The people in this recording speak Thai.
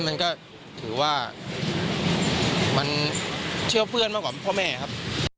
มันก็ถือว่ามันเชื่อเพื่อนมากกว่าพ่อแม่ครับ